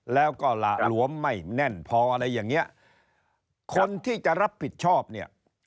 แล้วก็หละหลวมไม่แน่นพออะไรอย่างเงี้ยคนที่จะรับผิดชอบเนี่ย